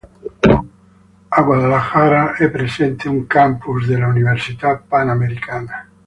A Guadalajara è presente un "campus" dell'Università Panamericana.